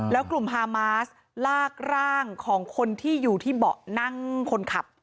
แล้วกลุ่มฮามาสลากร่างของคนที่อยู่ที่เบาะนั่งคนขับ